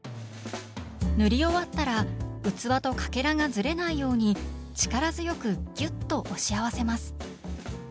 塗り終わったら器とかけらがずれないように力強くギュッと押し合わせます。